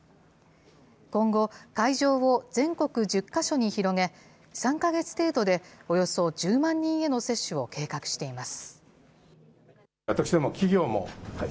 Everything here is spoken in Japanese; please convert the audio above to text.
今後、会場を全国１０か所に広げ、３か月程度でおよそ１０万人への接種を計画しています。